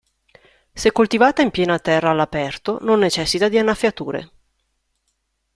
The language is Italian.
Se coltivata in piena terra all'aperto, non necessita di annaffiature.